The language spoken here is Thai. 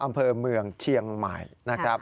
อำเภอเมืองเชียงใหม่